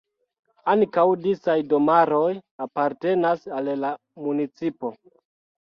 Ankaŭ disaj domaroj apartenas al la municipo.